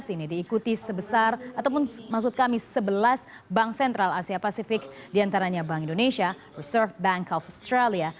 ini diikuti sebelas bank sentral asia pasifik di antaranya bank indonesia reserve bank of australia